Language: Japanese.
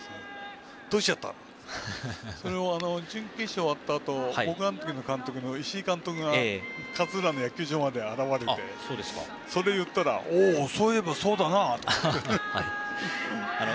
どうしちゃったんだと思ってそれを準決勝終わったあと石井監督が勝浦の野球場まで現れてそれを言ったらおお、そう言えばそうだなって。